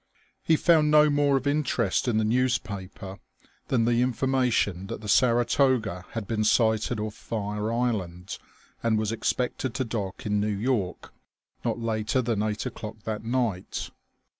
He found no more of interest in the newspaper than the information that the Saratoga had been sighted off Fire Island and was expected to dock in New York not later than eight o'clock that night.